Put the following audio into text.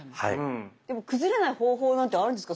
でも崩れない方法なんてあるんですか？